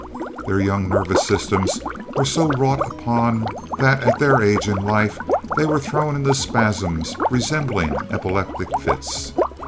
Their young nervous systems were so wrought upon, that, at their age in life, they were thrown into spasms resembling epileptic fits.